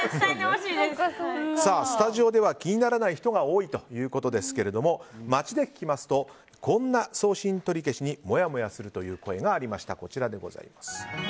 スタジオでは気にならない人が多いということですが街で聞きますとこんな送信取り消しにもやもやするという声がありました。